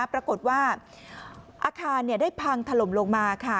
ปรากฏว่าอาคารได้พังถล่มลงมาค่ะ